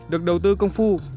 được đầu tư công phu